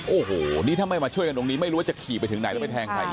โอ้โหนี่ถ้าไม่มาช่วยกันตรงนี้ไม่รู้ว่าจะขี่ไปถึงไหนแล้วไปแทงใคร